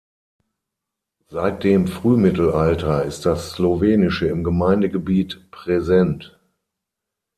Seit dem Frühmittelalter ist das Slowenische im Gemeindegebiet präsent.